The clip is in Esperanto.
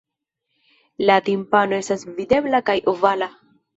La timpano estas videbla kaj ovala.